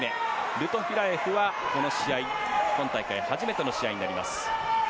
ルトフィラエフは今大会初めての試合になります。